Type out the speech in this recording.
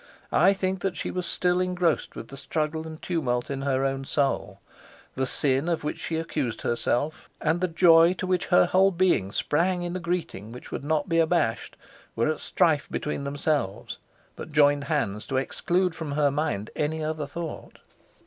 I think that she was still engrossed with the struggle and tumult in her own soul. The sin of which she accused herself, and the joy to which her whole being sprang in a greeting which would not be abashed, were at strife between themselves, but joined hands to exclude from her mind any other thought.